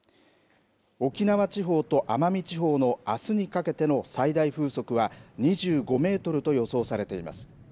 沖縄地方と奄美地方のあすにかけての最大風速は２５メートルと予測されています。